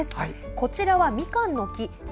こちらはみかんの木。